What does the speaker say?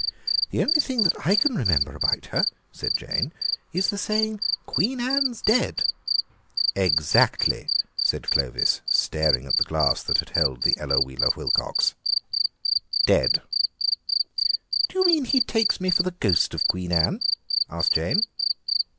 "The only thing that I can remember about her," said Jane, "is the saying 'Queen Anne's dead.'" "Exactly," said Clovis, staring at the glass that had held the Ella Wheeler Wilcox, "dead." "Do you mean he takes me for the ghost of Queen Anne?" asked Jane.